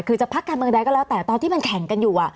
คือจะพักการเมืองใดก็แล้วแต่ตอนที่มันแข่งกันอยู่